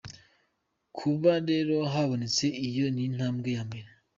Kuba rero habonetse iyo n’intambwe ya mbere.